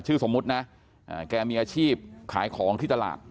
สมมุตินะแกมีอาชีพขายของที่ตลาด